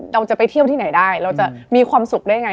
เราจะไปเที่ยวที่ไหนได้เราจะมีความสุขได้ไง